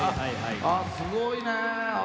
あっすごいね！